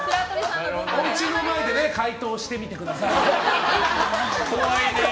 おうちで回答してみてください。